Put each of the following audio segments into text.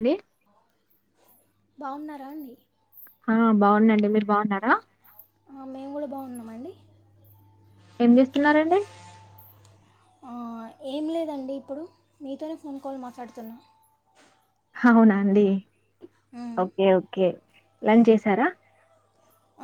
అండి బాగున్నారా అండి ఆ బాగున్నమండి మీరు బాగున్నారా మేము కూడా బాగున్నామండి ఏం చేస్తున్నరండి ఏం లేదండి ఇప్పుడు మీతోనే ఫోన్ కాల్ మాట్లాడుతున్నా అవునా అండి ఓకే ఓకే లంచ్ చేసారా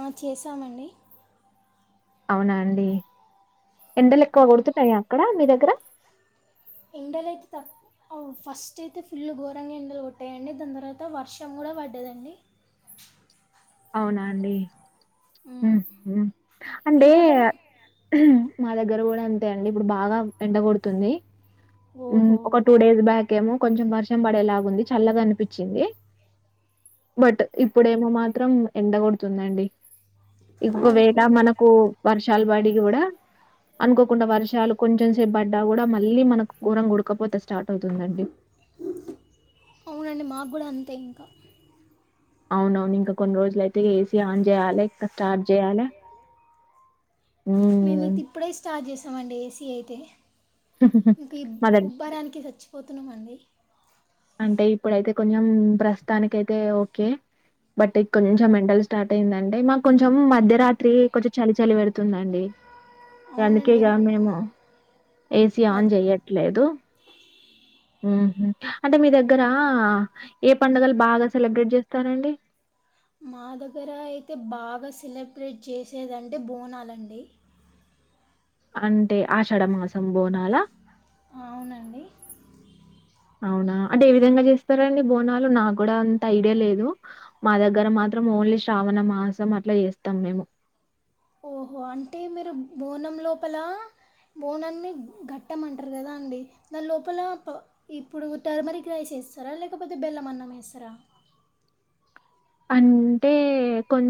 ఆ చేసామండి అవునా అండి ఎండలు ఎక్కువ కొడుతున్నాయా అక్కడ మీ దగ్ [unintelligible] ఎండలు అయితే త ఫస్ట్ అయితే ఫుల్ ఘోరంగా ఎండలు కొట్టాయండి. దాని తర్వాత వర్షం కూడా పడ్డదండి. అవునా అండి అంటే మా దగ్గర కూడా అంతే అండి ఇప్పుడు బాగా ఎండ కొడుతుంది ఉ ఒక టూ డేస్ బ్యాక్ ఏమో కొంచెం వర్షం పడేలాగుంది చల్లగా అనిపించింది బట్ ఇప్పుడేమో మా త్రం ఎండగొడుతుందండి ఇగ ఒకవేళ మనకు వర్ష్ వర్షాలు పడి కూడా అనుకోకుండా వర్షాలు కొంచెం సేపు పడ్డా కూడా మళ్ళీ మనకు గోరంగా ఉడకపోత స్టార్ట్ అవుతుందండి. అవునండి మాకు కూడా అంతే [inaudible] అవున అవును ఇంకా కొన్ని రోజులు అయితే ఏసీ ఆన్ చేయాలి ఇంకా స్టార్ట్ చేయాలే ఊమ్ మండి ఏసీ అయితే ఈ మా దగ్ ఉబ్బరానికి సచ్చి పోతున్నామండి అంటే ఇప్పుడైతే కొంచెం ప్రస్తుతానికి అయితే ఓకే బట్ కొంచెం ఎండలు స్టార్ట్ అయిందంటే మాకు కొంచెం మధ్యరాత్రి కొంచెం చలి చలి పెడుతుందండి అందుకేగా మేము ఏసీ ఆన్ చేయ్యట్లేదు హుమ్ అంటే మీ దగ్గర ఏ పండుగలు బాగా సెలబ్రేట్ చేస్తారండి మా దగ్గర అయితే బాగా సెలబ్రేట్ చేసేదంటే బోనాలండి అంటే ఆషాఢమాసం బోనాల అవునండి అవునా అంటే ఏ విధంగా చేస్తారండి బోనాలు నాకు కూడా అంత ఐడియా లేదు మా దగ్గర మాత్రం ఓన్లీ శ్రావణ మాసం అట్లా చేస్తాం మేము ఓహో అంటే మీరు బోనం లోపల బోనాన్ని గట్టమంటరు కదా అండి దాని లోపల ఇప్పుడు టర్మరిక్ రైస్ వేస్తారా లేకపోతే బెల్లం అన్నం వేస్తారా అంటే కొం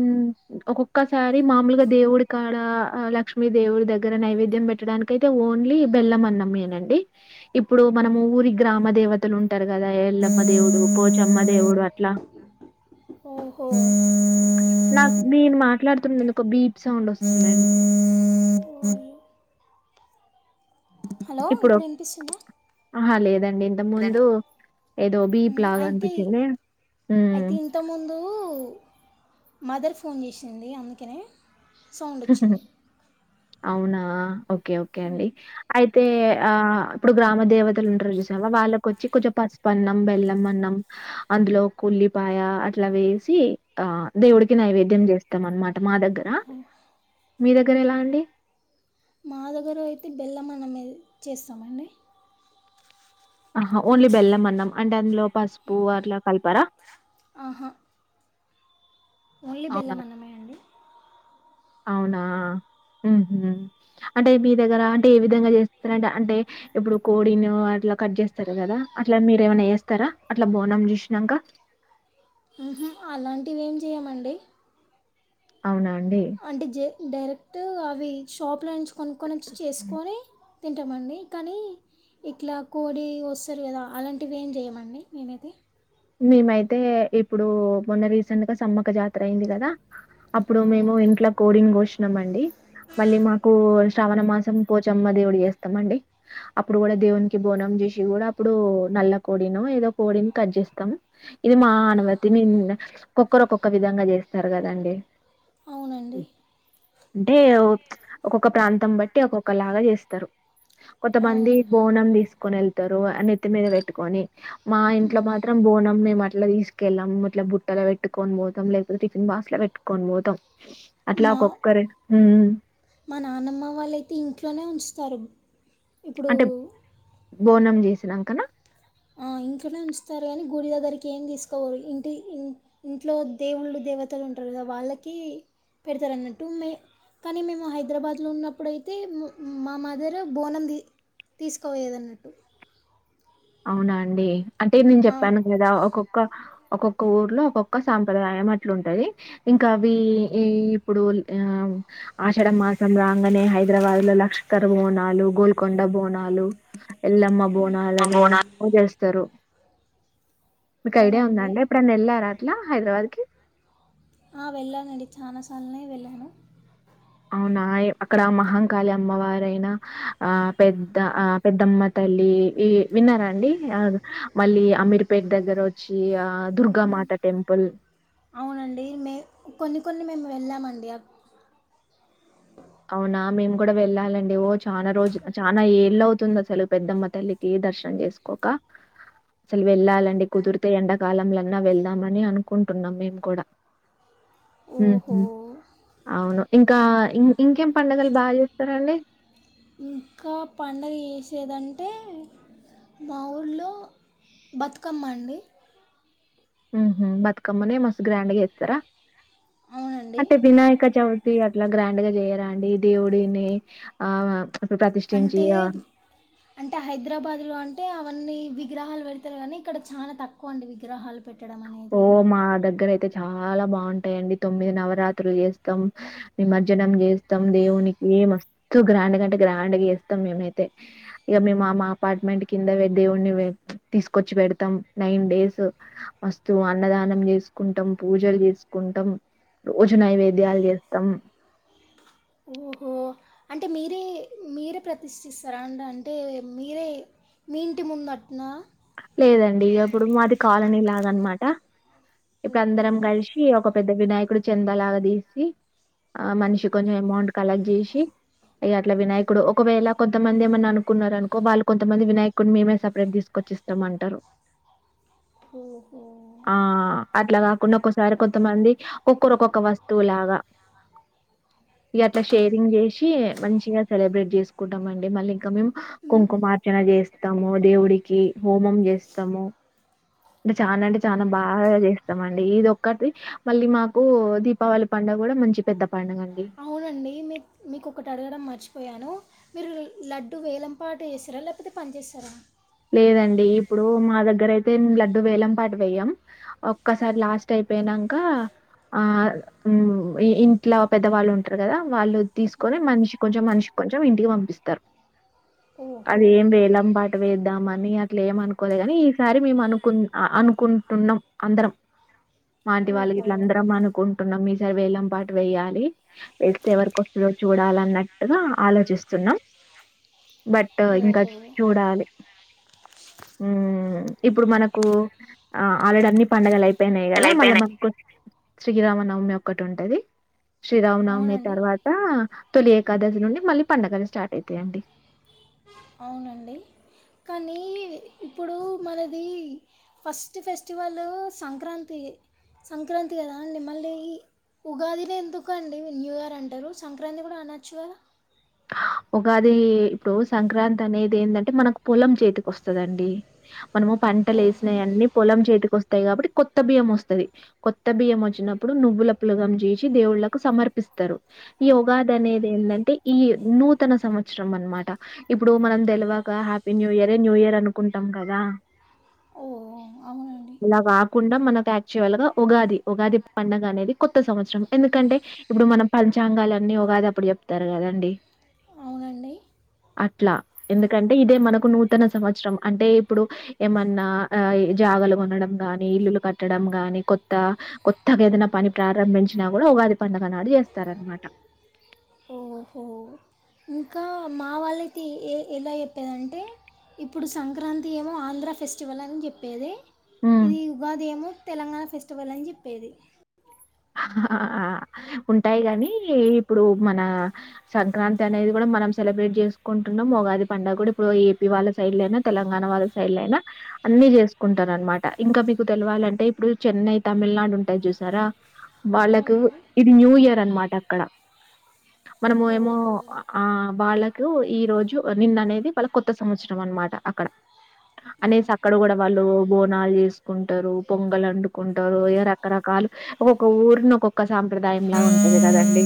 ఒక్కొక్కసారి మామూలుగా దేవుడి కాడ లక్ష్మీ దేవుడి దగ్గర నైవేద్యం పెట్టడానికి అయితే ఓన్లీ బెల్లం అన్నమేనండి ఇప్పుడు మనము ఊరి గ్రామ దేవతలు ఉంటారు కదా ఎల్లమ్మ దేవుడు పోచమ్మ దేవుడు అట్లా నాకు మీరు మాట్లాడుతున్నది ఒక బీప్ సౌండ్ వస్తుందండి ఇప్పుడు ఆహా లేదండి ఇంత ముందు ఏదో బీప్ లాగా అయితే అనిపించింది. అయితే హ్మ్. ఇంత ముందు మదర్ ఫోన్ చేసింది అందుకనే అవునా ఆహ్ ఓకే ఓకే అండి అయి తే ఆ ఇప్పుడు గ్రామ దేవతలు ఉంటరు చూసినావా వాళ్ళకు వచ్చి కొంచెం పసుపు అన్నం, బెల్లం అన్నం, అందులో ఒకు ఉల్లిపాయ అట్లా వేసి, ఆ దేవుడికి నైవేద్యం చేస్తాం అనమా ట మా దగ్గరా మీ దగ్గర ఎలా అండి మా దగ్గర అయితే బెల్లం అన్నమే చేస్తామండి ఆహా ఓన్లీ బెల్లం అన్నం అంటే అందులో పసుపు అట్లా కలపరా అహా ఓన్లీ అవును. బెల్లమన్నమే అండి అవునా మ్మ్ హుం అంటే మీ దగ్గర అంటే ఏ విధంగా చేస్తారంటే అంటే ఇప్పుడు కోడినో అట్లా కట్ చేస్తారు కదా, అట్లా మీరు ఏమైనా చేస్తరా అట్లా బోనం చూసినాంక. అలాంటివి ఏం చేయమండి అవున అంట జ డైరెక్ట్ అవి షాప్లో నుంచి కొనుక్కని చేసుకొని తింటామండి కానీ ఇట్లా కోడి వస్తారు కదా అలాంటివి ఏం చేయమండి మేనైతే మేమైతే ఇప్పుడు మొన్న రీసెంట్ గా సమ్మక జాతర అయింది కదా అప్పుడు మేము ఇంట్లో కోడింగ్ కోస్ మళ్ళీ మాకు శ్రావణ మాసం పోచమ్మ దేవుడి చేస్తాం అండి అప్పుడు కూడా దేవునికి బోనం చేసి కూడా అప్పుడు నల్ల కోడిని ఏదో కోడిని కట్ చేస్తా ఇది మా అనుమతి ఒక్కరుకొక్క విధంగా చేస్తారు కదండి అ అంటే ఒక్కొక్క ప్రాంతం బట్టి ఒక్కొక్క లాగా చేస్తారు కొంతమంది బోనం తీసుకుని వెళ్తంది రు అని నత్తి మీద పెట్టుకొని మా ఇంట్లో మా మాం పోనం మేము అట్లా తీసుకెళ్ళాం అట్ల బుట్టలో పెట్టుకొని పోతాం లేకపోతే టిఫిన్ బాస్ లో పెట్టుకని పోతాం అట్లా ఒకక్కే మా నానమ్మ వాళ్ళైతే ఇంట్లోనే ఉంచుతారు ఇప్పుడు అంటే బోనం చేసినాకనా ఇంకనే ఉంచుతారు కానీ గుడి దగ్గరికి ఏం తీసుకోవరు ఇంటి ఇంట్లో దేవుళ్ళు దేవతలు ఉంటారు కదా వాళ్ళకి పెడతారు అన్నట్టు మే కానీ మేము హైదరాబాద్లో ఉన్నప్పుడుయితే మా మదర్ బోనం తీసుకోయదన్నట్టు అవునా అండి అంటే నేను చెప్పాను కదా ఒక్కొక్క ఒక్కొక్క ఊర్లో ఒక్కొక్క సాంప్రదాయం అట్లుంటది ఇంకా అవి ఈ ఇప్పుడు ఆ ఆషాఢ మాసం రాంగానే హైదరాబాద్ లో లష్కర్ బోనాలు గోల్కొండ బోనాలు ఎల్లమ్ మా బోనాలని బోనాలు ఎస్తరు మీకు ఐడియా ఉందా అండి ఇప్పుడైనా ఎళ్ళారా అట్ల హైదరాబాద్ కి ఆ వెళ్ళానండి చానా సార్ల్నే వెళ్ళాను అవునా అక్కడ మహంకాళి అమ్మవారైనా ఆ పెద్ద ఆ పెద్దమ్మ తల్లి ఈ విన్నారా అండి అది మళ్ళీ అమీర్ పేట్ దగ్గరొచ్చి ఈ ఆ దుర్గా మాత టెంపుల్ కొన్ని మేము వెళ్ళామండి అ అవునా మేము కూడా వెళ్ళాలండి ఓ చానా రోజు చానా ఏళ్ళ అవుతుంది అసలు పెద్దమ్మ తల్లికి దర్శనం చేసుకోక అసలు వెళ్ళాలండి కుదిరితే ఎండాకాలంలన్నా వెళ్దామని అనుకుంటున్నాం మేము కూడా ఉహు అవును ఇంకా ఇం ఇంకేం పండుగలు బాగా చేస్తరండి ఇంకా పండగ ఎసేదంటే మా ఊళ్లో బతుకమ్మ అండి ఉ హు బతుకమ్మనే మస్తు గ్రాండ్ గ చేత్తరా అంటే వినాయక చవి తి అట్లా గ్రాండ్ గా చేయరండి దేవుడిని ఆ అంటే అంటే హైదరాబాద్లో అంటే అ వన్నీ విగ్రహాలు పెడతారు కానీ ఇక్కడ చాలా తక్కువ అండి విగ్రహాలు పెట్టడం ఓ మా దగ్గర అయితే చాలా బాగుంటాయిండి తొమ్మిది నవరాత్రులు చేస్తాం నిమజ్జనం చేస్తాం దేవునికి మస్తు గ్రాండ్గాంటే గ్రాండ్ గా చేస్తాం మేమైతే ఇగ మేము మా మా అపార్ట్మెంట్ కింద దేవుని తీసుకొచ్చి పెడతాం నైన్ డేస్ మస్తు అన్నదానం చేసుకుంటాం పూజలు చేసుకుంటాం రోజు నైవేద్యాలు చేస్తాం ఓహో అంటే మీరే మీరే ప్రతిష్ఠిస్తారా అండి అంటే మీరే మీ ఇంటి ముందట్నా లేదండి ఇగ అప్పుడు మాది కాలనీ లాగా అనమాట ఇప్పుడు అందరం కలిసి ఒక పెద్ద వినాయకుడి చెందలాగాదీసి ఆ మనిషి కొంచెం అమౌంట్ కలెక్ట్ చేసి ఇగ అట్లా వినాయకుడు ఒకవేళ కొంతమంది ఏమన్నా అనుకున్నన్నారు అనుకో వాళ్ళు కొంతమంది వినాయకున్ని మేమే సపరేట్ తీసుకొచ్చిస్తా త్తమంటారు ఆ అట్లా కాకుండా ఒకసారి కొంతమంది ఒక్కరుక్కొక్క వస్తువులాగా ఇగ అట్లా షేరింగ్ చేసి మంచిగా సెలబ్రేట్ చేసుకో కుంటం మండి మళ్ళీ ఇంకా మేము కుంకుమార్చన చేసి తమో దేవుడికి హోమం చేస్తాము అంటే చానా అంటే చాన బాగా చేస్తాము అండి ఇది ఒక్కటి మళ్ళీ మాకు దీపావళి పండుగ కూడా మంచి పెద్ద పండుగండి. అవునండి మీ మీకు ఒకటి అడగడం మర్చి పోయాను మీరు లడ్డు వేలంపాట ఎస్తరా లేపోతే పంచేస్తరా లేదండి ఇప్పుడు మా దగ్గర అయితే లడ్డు వేలం పాటు వేయం ఒక్కసారి లాస్ట్ అయిపోయినంక ఆ ఇంట్లో పెద్దవాళ్ళు ఉంటారు కదా వాళ్ళు తీసుకొని మనిషి కొంచెం మనిషి కొంచెం ఇంటికి పంపి ఇస్తర్ అదేం వేలం పాట వేద్ అనీ అట్లా ఏమ అనుకోలే గని ఈసారి మేము అనుకు అనుకుంటున్నాం అందరం మాఆంటీ వాళ్ళకి గిట్ల అందరం అనుకుంటున్నాం మీ వేలం పాటు వెేయ్యాలి వేస్తే ఎవరికి వస్తదో చూడాల అన్నట్టుగా ఆలోచిస్తున్నాం బట్ ఇంకా చూడాలే ఉం ఇప్పుడు మనకు ఆ ఆల్రెడీ అన్ని పండగలయిపోయినాయి కదా మళ్ళ అయిపోయినాయి మకో శ్రీరామనవమి ఒక్కటి ఉంటది శ్రీరామనవమి తర్వాత తొలి ఏకాదశి నుండి మళ్ళీ పండుగలు స్టార్ట్ అయితాయండి అవునండి కానీ ఇప్పుడు మనది ఫస్ట్ ఫెస్టివల్ సంక్రాంతి సంక్రాంతి కదా అండి మళ్ళీ ఉగాదిన ఎందుకు అండి న్యూ ఇయర్ అంటారు సంక్రాంతి కూడా అనొచ్చు కదా ఉగాది ఇప్పుడు సంక్రాంతి అనేది ఏందంటే మనకు పొలం చేతికి వస్తదండి మనము పంటలు వేసినవి అన్ని పొలం ఇంటికి వస్ వాయి కాబట్టి కొత్త బియ్యం వస్తది కొత్త బియ్యం వచ్చినప్పుడు నువ్వుల పులగం జేసి దేవుళ్ళకు సమర్పిస్తారు ఈ ఉగాది అనేది ఏందంటే ఈ నూతన సంవత్సరం అనమాట ఇప్పుడు మనం తెలివక హ్యాపీ న్యూ ఇయరే న్యూ ఇయర్ అనుకుంటాం కదా [inaudible] కుండ మనకు యాక్చువల్ గా ఉగాది ఉగాది పండగ అనేది కొత్త సంవత్సరం ఎందుకంటే ఇప్పుడు మనం పంచాంగాలు అన్ని ఉగాది అప్పుడు చెప్తారు కదండి అట్లా ఎందుకంటే ఇదే మనకు నూతన సంవత్సరం అంటే ఇప్పుడు ఏమన్నా జాగలు కొనడం గాని ఇల్లులు కట్టడం గాని కొత్త కొత్తగా ఏదైనా పని ప్రారంభించినా కూడా ఉగాది పడుగ నాడు చేస్తారనమాట ఇంకా మా వాళ్ళైతే ఏ ఎలా చెప్పేది అంటే ఇప్పుడు సంక్రాంతి ఏమో ఆంధ్ర ఫెస్టివల్ అని చెప్పేది హ్మ్. ఇది ఉగాది ఏమో తెలంగాణ ఫెస్ట్ పట్వలని చెప్పేది ఉంటాయి గాని ఇప్పుడు మన సంక్రాంతి అనేది కూడా మనం సెలబ్రేట్ చేసుకుంటున్నాం ఉగాది పం డుగ కూడా ఇప్పుడు ఏపీ వాళ్ళ సైడ్ల అయినా తెలంగాణ వాళ్ళ సైడ్ల అయినా అన్ని చేసుకుంటారు అనమాట ఇంకా మీకు తెలవాలంటే ఇప్పుడు చెన్నై తమిళనాడు ఉంటాయి చూసారా వాళ్ళకు ఇది న్యూ ఇయర్ న్మాట అక్కడ మనము ఏమో ఆ వాళ్ళ ఈ రోజు నిన్న అనేది వాళ్ళకి కొత్త సంవత్సరం అనమాట అక్కడ అనేసి అక్కడ కూడా వాళ్ళు బోనాలు చేసుకుంటరు పొంగలు వండుకుంటరు ఏ రకరకాలు ఓ ఒక ఊరిని ఒక్కొక్క సాంప్రదాయంలా ఉంటది కదండి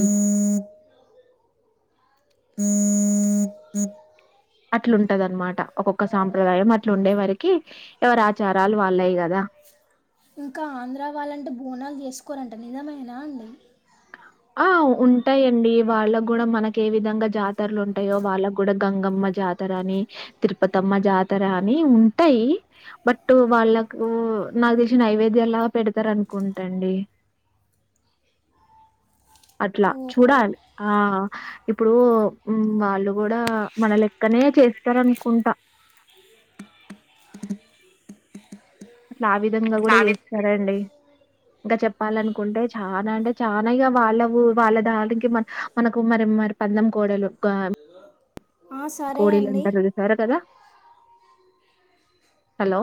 అట్లుంటదన్నమాట ఒక్కొక్క సాంప్రదాయం అట్లు ఉండే వారికి ఎవరి ఆచారాలు వాళ్ళయి కదా ఇంకా ఆంధ్ర వాళ్ళంటే బోనాలు చేసుకోరంట నిజమేనా అండి ఆ ఉంటాయి అండి వాళ్ళ కూడా మనకి ఏ విధంగా జాతరలు ఉంటాయో వాళ్ళకు కూడా గంగమ్మ జాతర అని తిరుపతమ్మ జాతర అని ఉంటాయి బట్ వాళ్ళకు నాకు తెలిసిన నైవేద్యం లాగా పెడతారు అనుకుంటా అండి అట్లా చూడాలి ఆ ఇప్పుడు వాళ్ళు కూడా మన లెక్కనే చేస్తార అనుకుంటా ఆ విధంగా కూడా స్లాబ్ చేస్తారండి ఇంకా చెప్పాలనుకుంటే చనా అంటే చాలనా ఇగా వాళ్ళ వాళ్ళ దానికి మ మనకు మరి మరి పందెం కోడలు కోడిలుంటారుద సరా కదా హలో